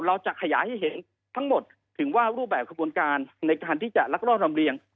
เราจะขยายให้เห็นทั้งหมดถึงว่ารูปแบบขบวนการในการที่จะลักลอบลำเรียง